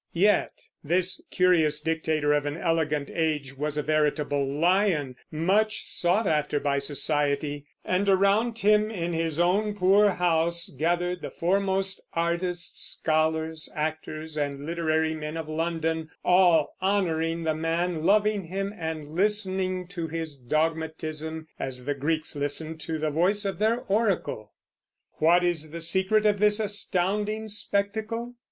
Yet this curious dictator of an elegant age was a veritable lion, much sought after by society; and around him in his own poor house gathered the foremost artists, scholars, actors, and literary men of London, all honoring the man, loving him, and listening to his dogmatism as the Greeks listened to the voice of their oracle. What is the secret of this astounding spectacle?